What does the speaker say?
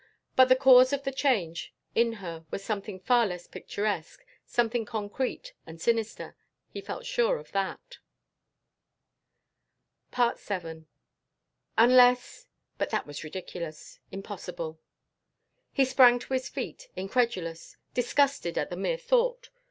But the cause of the change in her was something far less picturesque, something concrete and sinister. He felt sure of that.... VII Unless but that was ridiculous! Impossible! He sprang to his feet, incredulous, disgusted at the mere thought.